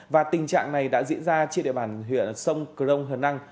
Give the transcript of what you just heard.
và tình trạng này đã diễn ra trên địa bàn huyện sông crong hờ năng